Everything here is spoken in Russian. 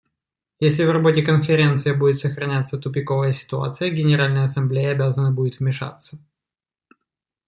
Если в работе Конференция будет сохраняться тупиковая ситуация, Генеральная Ассамблея обязана будет вмешаться.